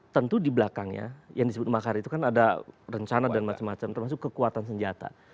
tentu di belakangnya yang disebut makar itu kan ada rencana dan macam macam termasuk kekuatan senjata